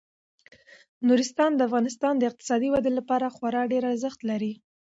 نورستان د افغانستان د اقتصادي ودې لپاره خورا ډیر ارزښت لري.